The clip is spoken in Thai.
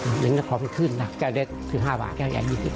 หนึ่งแล้วพอไม่ขึ้นแก้วเล็ก๑๕บาทแก้วใหญ่๒๐